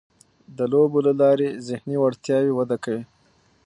د لوبو له لارې ذهني وړتیاوې وده کوي.